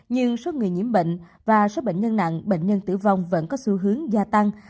nhưng số người nhiễm bệnh và số bệnh nhân nặng bệnh nhân tử vong vẫn có xu hướng gia tăng